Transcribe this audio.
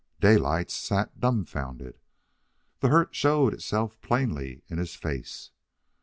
Daylight sat dumfounded. The hurt showed itself plainly in his face.